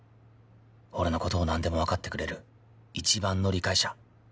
俺の事をなんでもわかってくれる一番の理解者